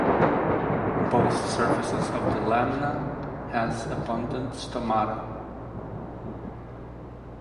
Both surfaces of the lamina have abundant stomata.